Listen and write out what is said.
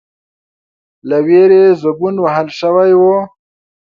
، له وېرې يې زبون وهل شوی و،